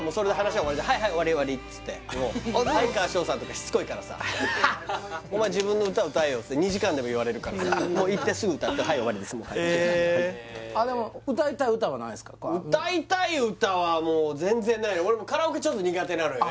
はい終わり終わりっつって哀川翔さんとかしつこいからさ「お前自分の歌歌えよ」って２時間でも言われるからさもう行ってすぐ歌ってはい終わりで済むからあでも歌いたい歌はもう全然ない俺カラオケちょっと苦手なのよね